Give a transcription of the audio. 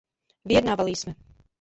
Vyjednávali jsme.